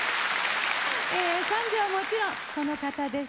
三女はもちろんこの方です。